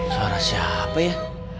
suara siapa ya